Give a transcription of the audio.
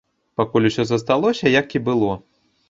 Пакуль усё засталося, як і было.